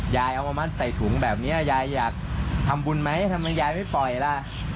ยายเอามามัดใส่ถุงแบบนี้ยายอยากทำบุญไหมทำไมยายไม่ปล่อยล่ะ